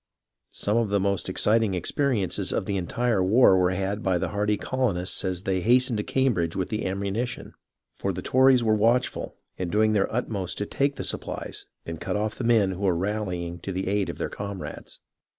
Some of the most exciting experiences of the entire war were had by the hardy colonists as they hastened to Cambridge with the ammunition, for the Tories were watchful, and doing their utmost to take the supplies, and cut off the men who were rallying to the aid of their comrades.